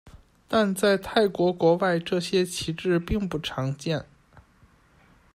但在泰国国外这些旗帜并不常见。